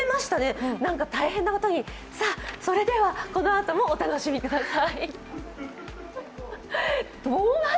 なんか大変なことにこのあともお楽しみください。